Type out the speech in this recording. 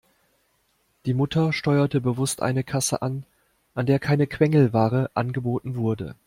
Die Mutter steuerte bewusst eine Kasse an, an der keine Quengelware angeboten wurde.